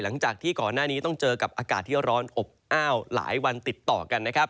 หลังจากที่ก่อนหน้านี้ต้องเจอกับอากาศที่ร้อนอบอ้าวหลายวันติดต่อกันนะครับ